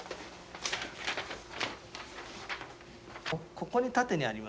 ここに縦にありませんか？